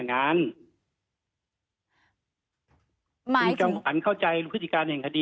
นะครับ